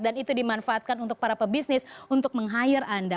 dan itu dimanfaatkan untuk para pebisnis untuk meng hire anda